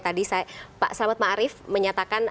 tadi pak selamat pak arief menyatakan